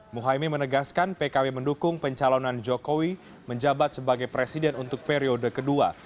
muhaymin menegaskan pkb mendukung pencalonan jokowi menjabat sebagai presiden untuk periode kedua